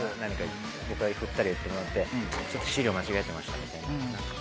僕が振ったら言ってもらって「ちょっと資料間違えてました」みたいな何か。